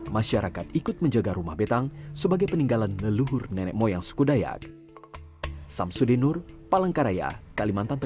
masyarakat ikut menjaga rumah betang sebagai peninggalan leluhur nenek moyang suku dayak